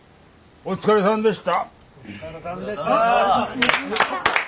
お疲れさんでした！